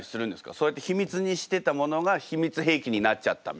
そうやって秘密にしてたものが秘密兵器になっちゃったみたいな。